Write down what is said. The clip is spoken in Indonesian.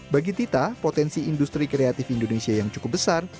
bagi tita potensi industri kreatif indonesia yang cukup besar